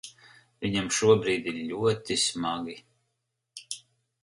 Viņam šobrīd ir ļoti smagi.